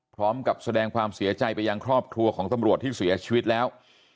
พร้อมกับแสดงความเสียใจไปยังครอบครัวของตำรวจที่เสียชีวิตแล้ว